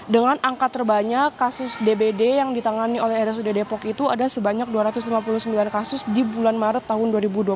dengan angka terbanyak kasus dbd yang ditangani oleh rsud depok itu ada sebanyak dua ratus lima puluh sembilan kasus di bulan maret tahun dua ribu dua puluh satu